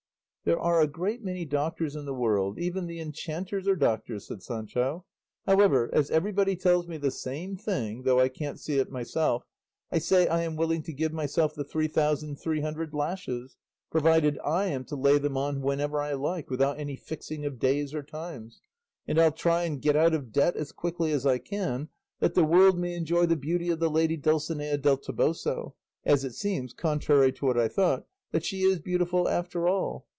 "There are a great many doctors in the world; even the enchanters are doctors," said Sancho; "however, as everybody tells me the same thing though I can't see it myself I say I am willing to give myself the three thousand three hundred lashes, provided I am to lay them on whenever I like, without any fixing of days or times; and I'll try and get out of debt as quickly as I can, that the world may enjoy the beauty of the lady Dulcinea del Toboso; as it seems, contrary to what I thought, that she is beautiful after all.